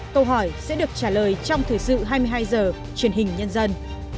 câu hỏi sẽ được trả lời trong thời sự hai mươi hai h truyền hình nhân dân